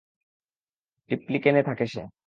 ট্রিপ্লিকেনে থাকে সে।